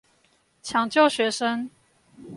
搶救學生